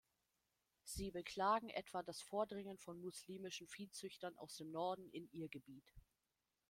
Sie beklagen etwa das Vordringen von muslimischen Viehzüchtern aus dem Norden in ihr Gebiet.